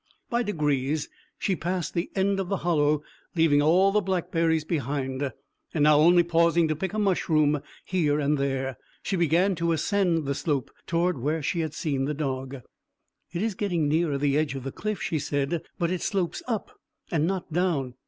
By degrees she passed the end of the hollow, leaving all the blackberries behind, and now, only pausing to pick a mushroom here and there, she began to ascend the slope toward where she had seen the dog. "It is getting nearer the edge of the cliff," she said; "but it slopes up, and not down.